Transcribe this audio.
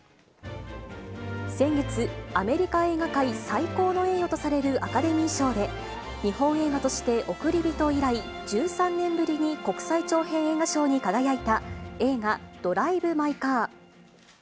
先月、アメリカ映画界最高の栄誉とされるアカデミー賞で、日本映画として、おくりびと以来、１３年ぶりに国際長編映画賞に輝いた映画、ドライブ・マイ・カー。